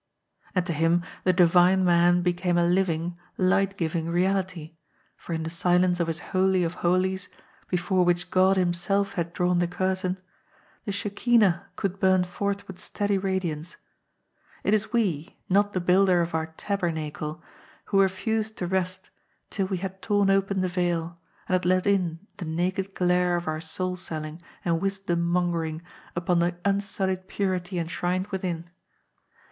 And to him the Divine Man became a living, light giv ing reality, for in the silence of his Holy of Holies, before which God Himself had drawn the curtain, the Shekinah could burn forth with steady radiance; it is we, not the Builder of our Tabernacle, who refused to rest till we had torn open the veil, and had let in the naked glare of our soul selling and wisdom mongering upon the unsullied pu rity enshrined within.